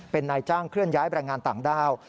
เป็นนายจ้างเคลื่อนย้ายแรงงานต่างด้าว